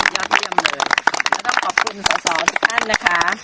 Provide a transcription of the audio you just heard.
แล้วก็ต้องขอบคุณสาวทุกท่านนะคะ